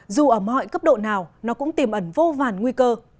dù ở mọi cấp độ nào nó cũng tiềm ẩn vô vàn nguy cơ